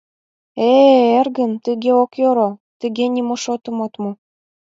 — Э-э, эргым, тыге ок йӧрӧ, тыге нимо шотым от му.